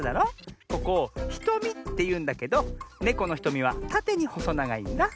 ここ「ひとみ」っていうんだけどネコのひとみはたてにほそながいんだ。